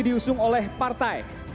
diusung oleh partai